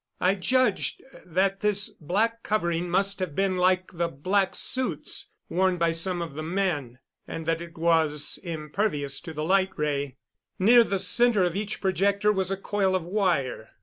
I judged that this black covering must have been like the black suits worn by some of the men, and that it was impervious to the light ray. Near the center of each projector was a coil of wire.